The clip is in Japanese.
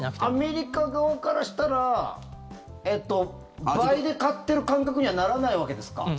アメリカ側からしたら倍で買ってる感覚にはならないわけですか？